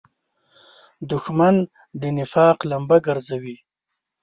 دښمن د نفاق لمبه ګرځوي